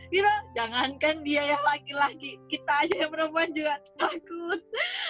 wira jangankan dia yang laki laki kita aja yang perempuan juga takut